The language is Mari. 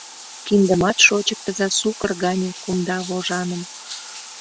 Киндымат шочыктыза сукыр гане кумда вожаным.